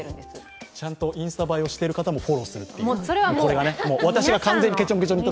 ちゃんとインスタ映えをしている方もフォローするという。